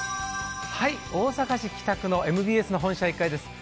大阪市北区のＭＢＳ本社１階です。